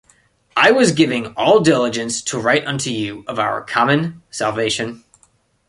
I was giving all diligence to write unto you of our common salvation.